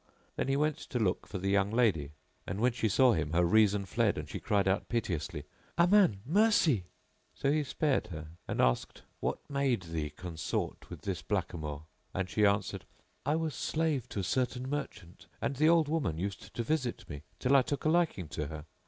Then he went to look for the young lady; and when she saw him her reason fled and she cried out piteously "Aman![FN#679] Mercy!" So he spared her and asked, "What made thee consort with this blackamoor?", and she answered, "I was slave to a certain merchant, and the old woman used to visit me till I took a liking to her.